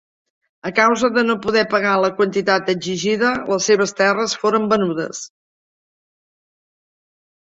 A causa de no poder pagar la quantitat exigida les seves terres foren venudes.